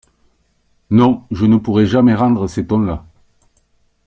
Non, je ne pourrai jamais rendre ces tons-là…